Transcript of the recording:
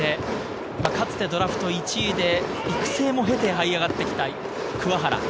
かつてドラフト１位で育成も経てはい上がってきた鍬原。